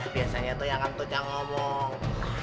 biasanya itu yang kentut yang ngomong